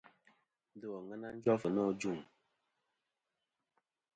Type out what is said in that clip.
Ndo àŋena jof nô ajuŋ.